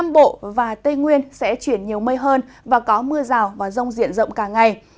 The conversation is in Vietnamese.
bộ và tây nguyên sẽ chuyển nhiều mây hơn và có mưa rào và rông diện rộng cả ngày